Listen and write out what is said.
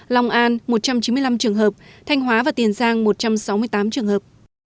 lòng an một trăm chín mươi năm trường hợp thanh hóa và tiền giang một trăm sáu mươi tám trường hợp